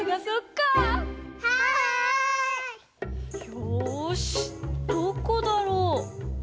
よしどこだろう？